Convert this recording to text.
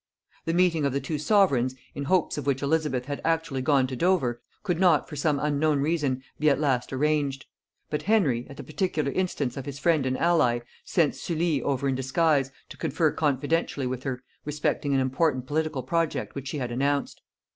The meeting of the two sovereigns, in hopes of which Elizabeth had actually gone to Dover, could not for some unknown reason be at last arranged; but Henry, at the particular instance of his friend and ally, sent Sully over in disguise to confer confidentially with her respecting an important political project which she had announced.